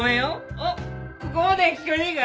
おっここまでは聞こえねえか